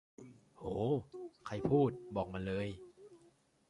โห ใครพูด บอกมาเลย